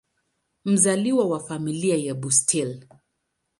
Mzaliwa wa Familia ya Bustill.